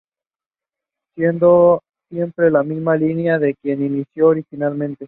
Siguiendo siempre la misma línea con que inició originalmente.